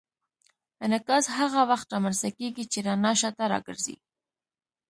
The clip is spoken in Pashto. انعکاس هغه وخت رامنځته کېږي چې رڼا شاته راګرځي.